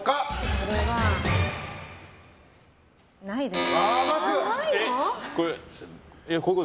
これは、ないです。